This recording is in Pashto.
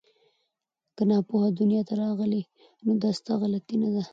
که ناپوه دنیا ته راغلې نو دا ستا غلطي نه ده